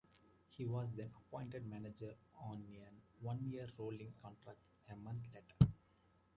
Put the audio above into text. He was then appointed manager on a one-year rolling contract a month later.